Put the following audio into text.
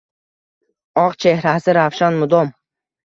Oq chehrasi ravshan mudom.